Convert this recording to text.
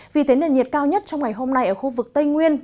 vì thế nền nhiệt cao nhất trong ngày hôm nay ở khu vực tây nguyên